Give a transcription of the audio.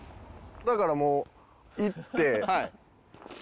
だからもう行って。